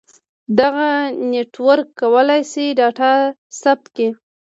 دغه نیټورک کولای شي ډاټا ثبت کړي.